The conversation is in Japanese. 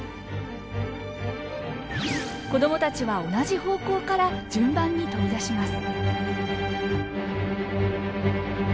子供たちは同じ方向から順番に飛び出します。